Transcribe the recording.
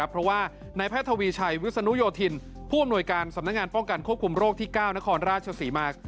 เพราะว่านายแพทย์ทวีชัยวิศนุโยธินผู้อำนวยการสำนักงานป้องกันควบคุมโรคที่๙นครราชศรีมา